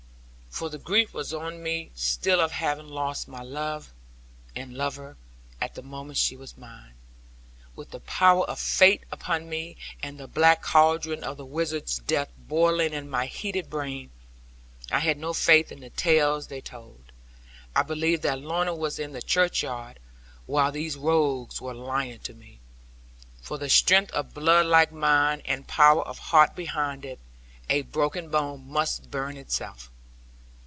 For the grief was on me still of having lost my love and lover at the moment she was mine. With the power of fate upon me, and the black cauldron of the wizard's death boiling in my heated brain, I had no faith in the tales they told. I believed that Lorna was in the churchyard, while these rogues were lying to me. For with strength of blood like mine, and power of heart behind it, a broken bone must burn itself.